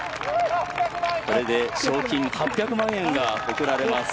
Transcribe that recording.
これで賞金８００万円が贈られます。